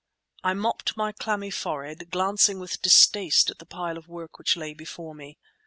I mopped my clammy forehead, glancing with distaste at the pile of work which lay before me.